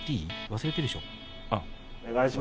忘れてるでしょ？